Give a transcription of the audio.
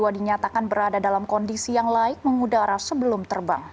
dinyatakan berada dalam kondisi yang laik mengudara sebelum terbang